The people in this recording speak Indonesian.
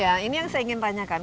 ya ini yang saya ingin tanyakan